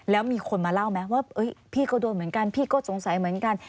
แล้วมีคนมาเล่าไหมว่าพี่ก็โดนเหมือนกันพี่ก็สงสัยเหมือนกัน